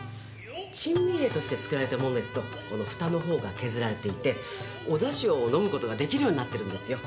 珍味入れとして作られた物ですとふたのほうが削られていておだしを飲むことができるようになってるんですよ